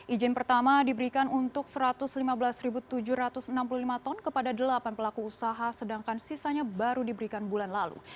izin pertama diberikan untuk satu ratus lima belas tujuh ratus enam puluh lima ton kepada delapan pelaku usaha sedangkan sisanya baru diberikan bulan lalu